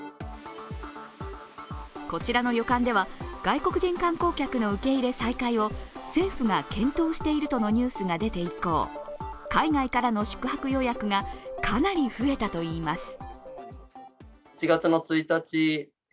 こちらの旅館では、外国人観光客の受け入れ再開を政府が検討しているとのニュースが出て以降、海外からの宿泊予約がかなり増えたといいます。